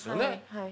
はい。